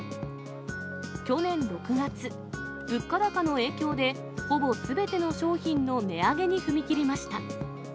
去年６月、物価高の影響で、ほぼすべての商品の値上げに踏み切りました。